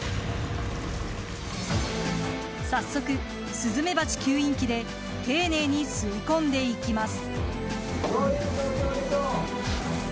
早速、スズメバチ吸引器で丁寧に吸い込んでいきます。